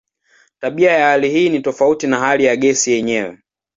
Tabia ya hali hii ni tofauti na hali ya gesi yenyewe.